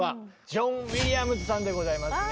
ジョン・ウィリアムズさんでございますね。